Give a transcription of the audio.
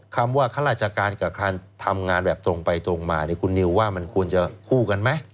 คำว่าข้าราชการกับการทำงานแบบตรงไปตรงมาคุณนิวว่ามันควรจะคู่กันไหม